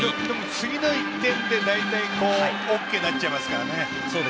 次の１点でＯＫになっちゃいますからね。